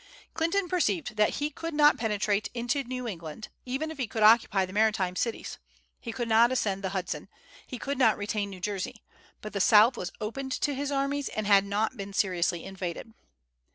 Clinton perceived that he could not penetrate into New England, even if he could occupy the maritime cities. He could not ascend the Hudson. He could not retain New Jersey. But the South was open to his armies, and had not been seriously invaded.